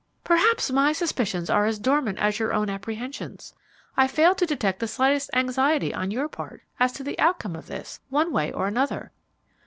"Perhaps my suspicions are as dormant as your own apprehensions. I fail to detect the slightest anxiety on your part as to the outcome of this, one way or another."